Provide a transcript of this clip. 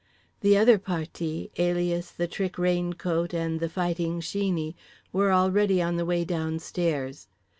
The other partis, alias The Trick Raincoat and The Fighting Sheeney, were already on the way downstairs.